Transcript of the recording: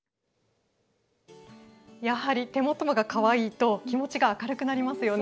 やはり手元がかわいいと気持ちが明るくなりますよね。